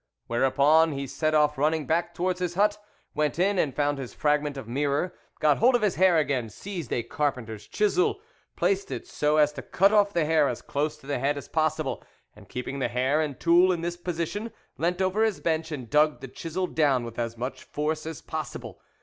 Whereupon he set off running back towards his hut, went in and found his fragment of mirror, got hold of his hair again, seized a carpenter's chisel, placed it so as to cut off the hair as close to the head as possible, and keeping hair and tool in this position, leant over his bench, and dug the chisel down with as much force as possible.